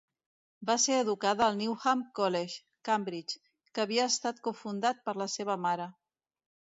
Va ser educada al Newnham College, Cambridge, que havia estat cofundat per la seva mare.